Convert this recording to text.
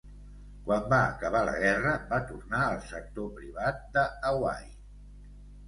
Quan va acabar la guerra, va tornar al sector privat de Hawaii.